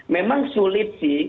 memang sulit sih